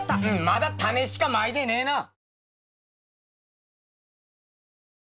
まだタネしかまいてねえな！